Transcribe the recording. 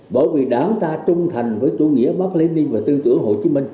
bởi vì đảng ta trung thành với chủ nghĩa mark lennon và tư tưởng hồ chí minh